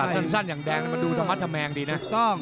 จัดสั้นอย่างแดงดูธรรมะธรรแมงดีนะ